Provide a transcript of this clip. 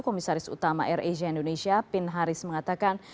komisaris utama air asia indonesia pin haris mengatakan